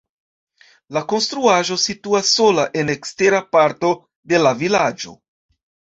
La konstruaĵo situas sola en ekstera parto de la vilaĝo.